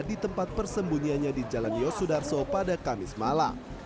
di tempat persembunyiannya di jalan yosudarso pada kamis malam